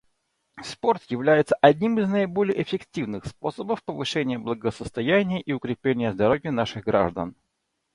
Спорт является одним из наиболее эффективных способов повышения благосостояния и укрепления здоровья наших граждан.